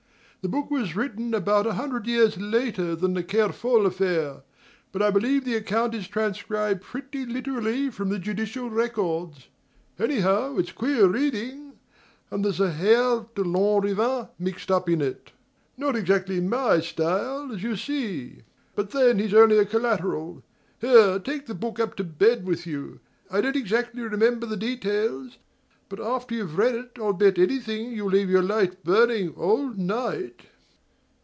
The book was written about a hundred years later than the Kerfol affair; but I believe the account is transcribed pretty literally from the judicial records. Anyhow, it's queer reading. And there's a Herve de Lanrivain mixed up in it not exactly MY style, as you'll see. But then he's only a collateral. Here, take the book up to bed with you. I don't exactly remember the details; but after you've read it I'll bet anything you'll leave your light burning all night!"